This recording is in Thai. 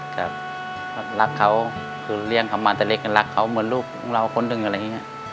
ครับรักเขาคือเลี้ยงเขามาแต่เล็กก็รักเขาเหมือนลูกของเราคนหนึ่งอะไรอย่างนี้